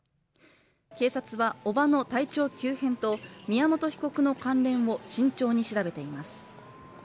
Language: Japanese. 警察は、叔母の体調急変と宮本被告の関連を慎重に調べています。